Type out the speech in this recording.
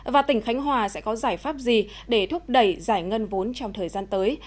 và tỉnh khánh hòa sẽ có giải pháp gì để thúc đẩy giải ngân vốn trong thời gian tới